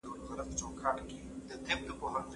انټرنیټ د لرې واټن زده کړې زمینه برابروي.